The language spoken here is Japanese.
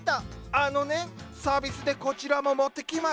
あのねサービスでこちらも持ってきました。